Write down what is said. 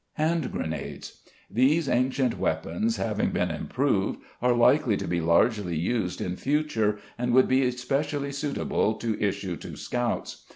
Hand Grenades. These ancient weapons, having been improved, are likely to be largely used in future, and would be specially suitable to issue to scouts.